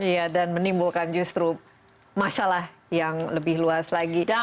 iya dan menimbulkan justru masalah yang lebih luas lagi